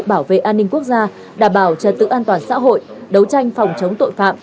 bảo vệ an ninh quốc gia đảm bảo trật tự an toàn xã hội đấu tranh phòng chống tội phạm